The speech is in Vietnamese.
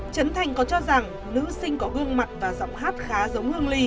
trấn thành có cho rằng nữ sinh có gương mặt và giọng hát khá giống hương ly